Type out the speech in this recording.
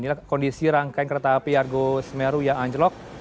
inilah kondisi rangkaian kereta api argo semeru yang anjlok